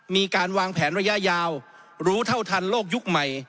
มีการวางแผนระยะยาวรู้เท่าทันโลกยุคใหม่